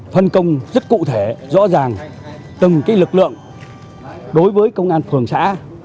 phân công rất cụ thể rõ ràng từng lực lượng đối với công an phường xã